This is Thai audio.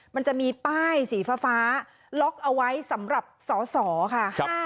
มันจะมีป้ายสีฟ้าล็อกเอาไว้สำหรับสอสอค่ะ